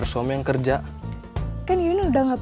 kamu enggak ada yang nganter